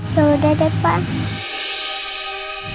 yaudah deh pak